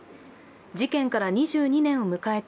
事件から２２年を迎えた